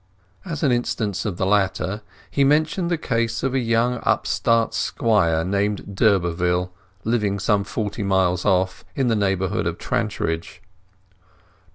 As an instance of the latter, he mentioned the case of a young upstart squire named d'Urberville, living some forty miles off, in the neighbourhood of Trantridge.